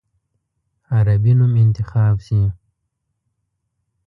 عربي نوم انتخاب شي.